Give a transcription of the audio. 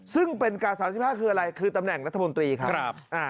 ซึ่งเป็นกา๓๕คืออะไรคือตำแหน่งรัฐมนตรีครับ